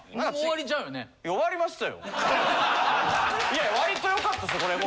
いや割とよかったですよ